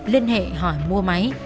liên hệ hỏi mua máy